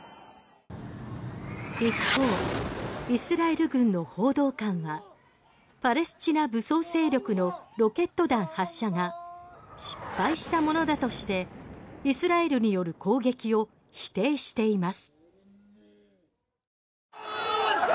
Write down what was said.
一方、イスラエル軍の報道官はパレスチナ武装勢力のロケット弾発射が失敗したものだとしてイスラエルによる攻撃を否定しています。